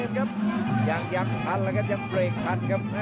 เห็นครับยังทันเลยครับยังเวรขันครับ